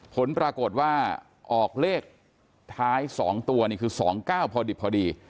ผลปรากฏว่าออกเลขท้าย๒ตัวนี่คือ๒๙พอดิบพอดี